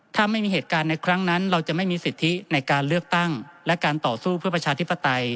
ถ้าไม่มีเหตุการณ์ในครั้งนั้นเราจะไม่มีสิทธิในการเลือกตั้งและการต่อสู้เพื่อประชาธิปไตย